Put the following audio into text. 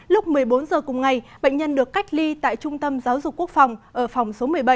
lúc một mươi bốn h cùng ngày bệnh nhân được cách ly tại trung tâm giáo dục quốc phòng ở phòng số một mươi bảy